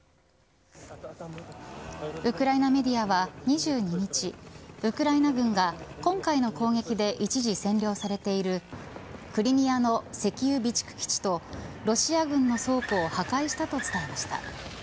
ウクライナメディアは２２日ウクライナ軍が今回の攻撃で一時占領されているクリミアの石油備蓄基地とロシア軍の倉庫を破壊したと伝えました。